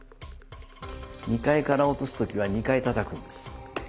２階から落とす時は２回たたくんです。